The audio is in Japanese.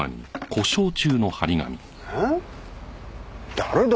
誰だ？